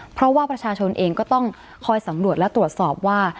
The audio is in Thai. เพราะว่าประชาชนเองก็ต้องคอยสำรวจและตรวจสอบว่า